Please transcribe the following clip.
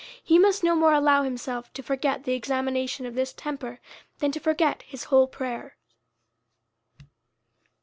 He must no more allow himself to forget the ex amination of this temper, than to forget his whole prayers.